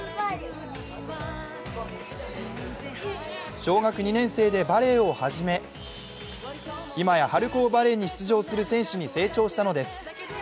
小学２年生でバレーを始め、今や春高バレーに出場する選手に成長したのです。